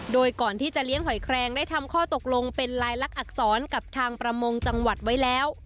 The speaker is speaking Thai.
โดยก่อนที่จะเลี้ยงหอยแครงได้ทำข้อตกลงเป็นลายลักษรกับทางประมงจังหวัดไว้แล้ว